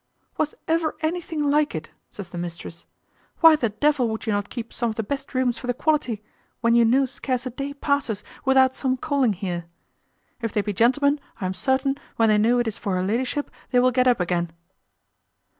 "Was ever anything like it?" says the mistress; "why the devil would you not keep some of the best rooms for the quality, when you know scarce a day passes without some calling here? If they be gentlemen, I am certain, when they know it is for her ladyship, they will get up again."